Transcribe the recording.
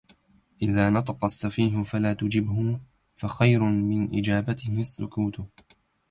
إذا نطق السفيه فلا تجبه... فخير من إجابته السكوت